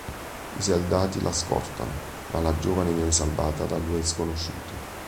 I soldati la scortano, ma la giovane viene salvata da due sconosciuti.